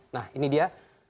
nah ini dia